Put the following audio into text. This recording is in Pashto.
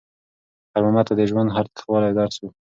خیر محمد ته د ژوند هر تریخوالی یو درس و.